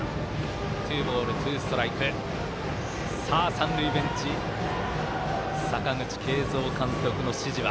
三塁ベンチ阪口慶三監督の指示は。